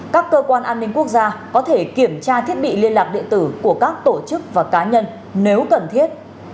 các cơ quan an ninh quốc gia có thể kiểm tra thiết bị liên lạc điện tử của các tổ chức và cá nhân nếu cần thiết